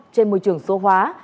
trên môi trường số hóa